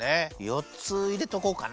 よっついれとこうかな。